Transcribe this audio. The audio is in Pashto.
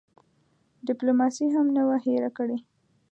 ډیپلوماسي هم نه وه هېره کړې.